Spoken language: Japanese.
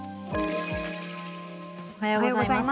おはようございます。